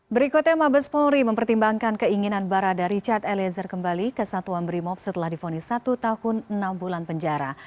berikutnya mabes polri mempertimbangkan keinginan barada richard eliezer kembali ke satuan brimob setelah difonis satu tahun enam bulan penjara